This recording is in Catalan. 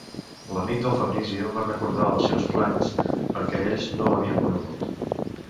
L'amic del Fabrizio va recordar els seus planys, perquè ells no l'havien conegut.